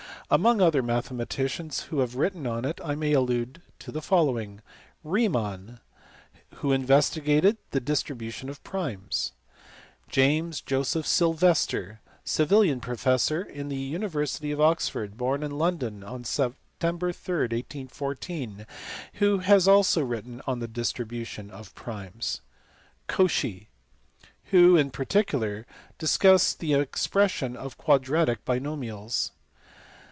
Among other mathematicians who have written on it I may allude to the following. Riemann (see below, p. 468), who investigated the dis tribution of primes. James Joseph Sylvester, Savilian professor in the university of Oxford, born in London on Sept. 3, 1814 (see below, pp. 462, 478, 482), who also has written on the distribution of primes. Cauchy (see below, p. 473), who in particular discussed the expression of quadratic binomials.